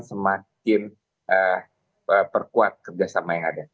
semakin perkuat kerjasama yang ada